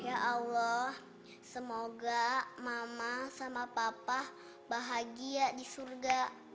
ya allah semoga mama sama papa bahagia di surga